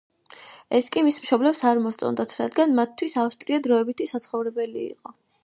ეს კი მის მშობლებს არ მოსწონდათ, რადგან მათთვის ავსტრია დროებითი საცხოვრებლი იყო.